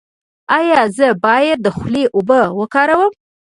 ایا زه باید د خولې اوبه وکاروم؟